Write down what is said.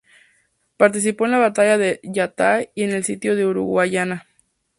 Participó en la batalla de Yatay y en el sitio de Uruguayana.